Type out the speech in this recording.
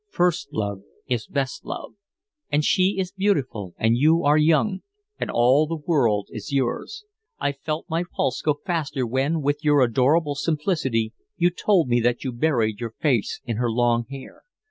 First love is best love; and she is beautiful and you are young, and all the world is yours. I felt my pulse go faster when with your adorable simplicity you told me that you buried your face in her long hair.